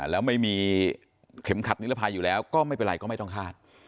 แล้วไม่มีเข็มขัดนิรภัยอยู่แล้วก็ไม่เป็นไรก็ไม่ต้องคาด